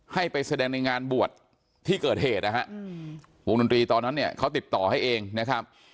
ให้ไปแสดงในงานบวชที่เกิดเหตุนะฮะวงดนตรีตอนนั้นเนี่ยเขาติดต่อให้เองนะครับ